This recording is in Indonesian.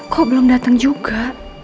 kok belum datang juga